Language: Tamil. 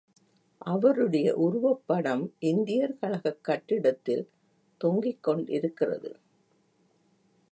அவருடைய உருவப்படம் இந்தியர் கழகக் கட்டிடத்தில் தொங்கிக் கொண்டிருக்கிறது.